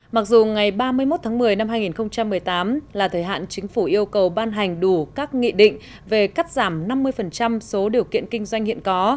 mặc dù ngày ba mươi một tháng một mươi năm hai nghìn một mươi tám là thời hạn chính phủ yêu cầu ban hành đủ các nghị định về cắt giảm năm mươi số điều kiện kinh doanh hiện có